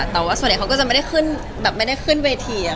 แต่ว่าส่วนใหญ่เขาจะไม่ได้ขึ้นเวที